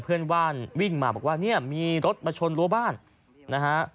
เพื่อนบ้านวิ่งมาบอกว่าเนี่ยมีรถมาชนรั้วบ้านนะฮะ